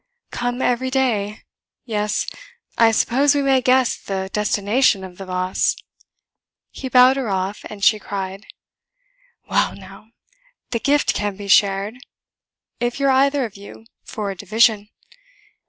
"Come every day! Yes, I suppose we may guess the destination of the vase." He bowed her off, and she cried: "Well, now, the gift can be shared, if you're either of you for a division."